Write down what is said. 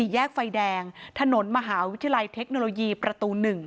แยกไฟแดงถนนมหาวิทยาลัยเทคโนโลยีประตู๑